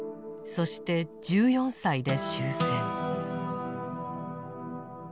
そして１４歳で終戦。